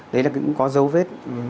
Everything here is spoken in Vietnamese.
đấy là cũng có dấu vết